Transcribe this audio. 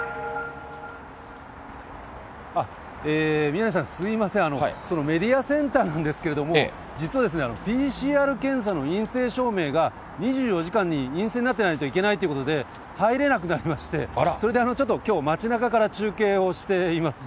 宮根さん、すみません、そのメディアセンターなんですけれども、実はＰＣＲ検査の陰性証明が２４時間に陰性になっていないといけないということで、入れなくなりまして、それでちょっときょう、街なかから中継をしています。